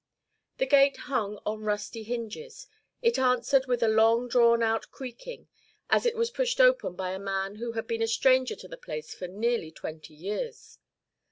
The gate hung on rusty hinges; it answered with a long drawn out creaking, as it was pushed open by a man who had been a stranger to the place for nearly twenty years.